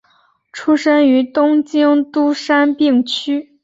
出身于东京都杉并区。